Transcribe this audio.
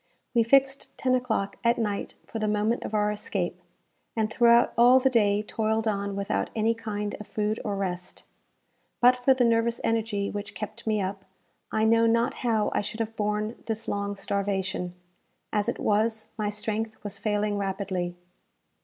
We fixed ten o'clock at night for the moment of our escape, and throughout all the day toiled on without any kind of food or rest. But for the nervous energy which kept me up, I know not how I should have borne this long starvation; as it was, my strength was failing rapidly.